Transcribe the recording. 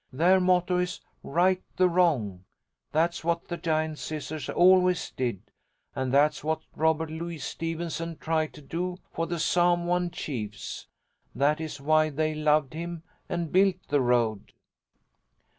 Their motto is 'Right the wrong.' That's what the Giant Scissors always did, and that's what Robert Louis Stevenson tried to do for the Samoan chiefs. That is why they loved him and built the road."